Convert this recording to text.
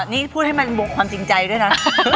นี่พูดให้มันบวกความจริงใจด้วยนะ